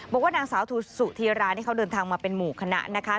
บอกว่านางสาวสุธีรานี่เขาเดินทางมาเป็นหมู่คณะนะคะ